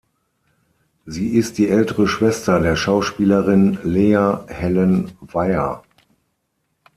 Sie ist die ältere Schwester der Schauspielerin Lea-Helen Weir.